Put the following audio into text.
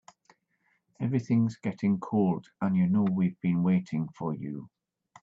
Everything's getting cold and you know we've been waiting for you.